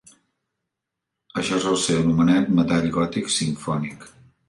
Això sol ser anomenat metall gòtic simfònic.